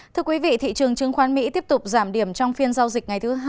thị trường chứng khoán mỹ tiếp tục giảm điểm trong phiên giao dịch ngày thứ hai